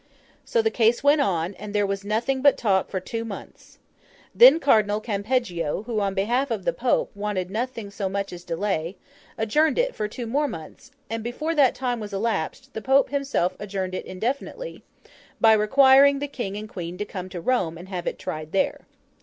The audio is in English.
So, the case went on, and there was nothing but talk for two months. Then Cardinal Campeggio, who, on behalf of the Pope, wanted nothing so much as delay, adjourned it for two more months; and before that time was elapsed, the Pope himself adjourned it indefinitely, by requiring the King and Queen to come to Rome and have it tried there.